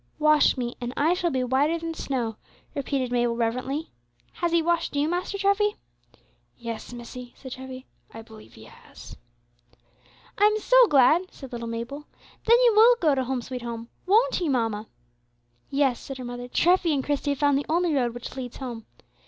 "Wash me, and I shall be whiter than snow," repeated Mabel reverently. "Has He washed you, Master Treffy?" "Yes, missie," said Treffy, "I believe He has." "I'm so glad," said little Mabel, "then you will go to 'Home, sweet Home;' won't he, mamma?" "Yes," said her mother, "Treffy and Christie have found the only road which leads home.